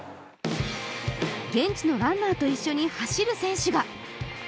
現地のランナーと一緒に走る選手が。